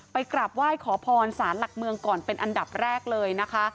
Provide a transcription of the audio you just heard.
กราบไหว้ขอพรสารหลักเมืองก่อนเป็นอันดับแรกเลยนะคะ